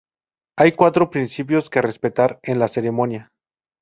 Hay cuatro principios que respetar en la ceremonia.